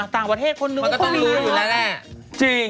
ต่างประเทศคนนึง